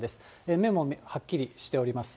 目もはっきりしております。